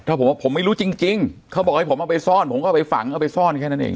ถ้าผมว่าผมไม่รู้จริงเขาบอกให้ผมเอาไปซ่อนผมก็เอาไปฝังเอาไปซ่อนแค่นั้นเอง